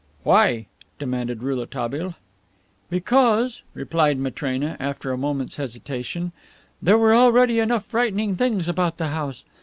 "Why?" demanded Rouletabille. "Because," replied Matrena, after a moment's hesitation, "there were already enough frightening things about the house.